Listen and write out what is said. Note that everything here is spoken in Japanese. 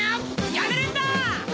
やめるんだ！